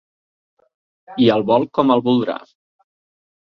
I el vol com el voldrà?